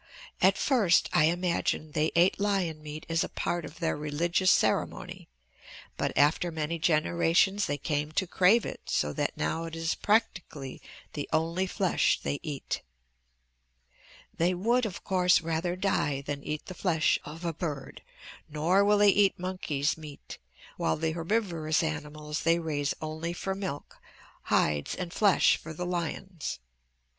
At first, I imagine, they ate lion meat as a part of their religious ceremony but after many generations they came to crave it so that now it is practically the only flesh they eat. They would, of course, rather die than eat the flesh of a bird, nor will they eat monkey's meat, while the herbivorous animals they raise only for milk, hides, and flesh for the lions.